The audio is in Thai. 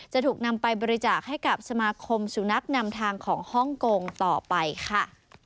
จะถูกนำไปบริจาคให้กับสมาคมสุนัขนำทางของฮ่องกงต่อไปค่ะ